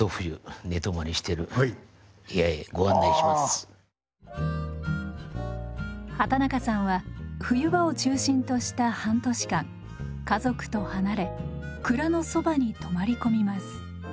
では畠中さんは冬場を中心とした半年間家族と離れ蔵のそばに泊まり込みます。